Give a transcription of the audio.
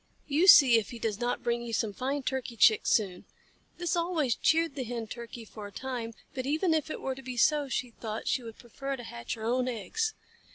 You see if he does not bring you some fine Turkey Chicks soon." This always cheered the Hen Turkey for a time, but even if it were to be so, she thought, she would prefer to hatch her own eggs.